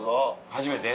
初めて？